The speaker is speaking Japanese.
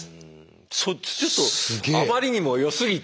ちょっとあまりにもよすぎて。